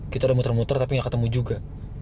kita udah muter muter tapi nggak ketemu juga